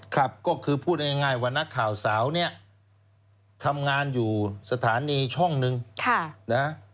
ครับก็คือพูดง่ายว่านักข่าวสาวเนี่ยทำงานอยู่สถานีช่องหนึ่งนะ